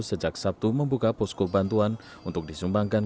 sejak sabtu membuka posko bantuan untuk disumbangkan